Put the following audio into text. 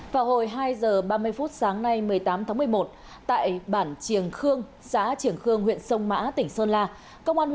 vào hồi hai h ba mươi phút sáng nay một mươi tám tháng một mươi một tại bản triềng khương xã trường khương huyện sông mã tỉnh sơn la